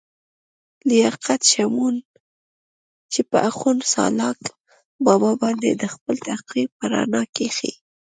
لياقت شمعون، چې پۀ اخون سالاک بابا باندې دَخپل تحقيق پۀ رڼا کښې